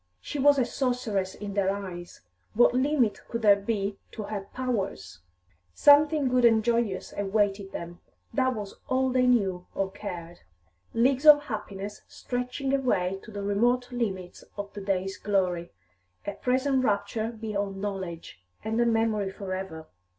She was a sorceress in their eyes; what limit could there be to her powers? Something good and joyous awaited them; that was all they knew or cared; leagues of happiness, stretching away to the remote limits of the day's glory; a present rapture beyond knowledge, and a memory for ever.